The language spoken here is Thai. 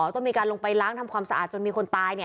ต้องมีการลงไปล้างทำความสะอาดจนมีคนตาย